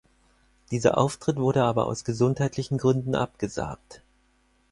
Dieser Auftritt wurde aber aus gesundheitlichen Gründen abgesagt.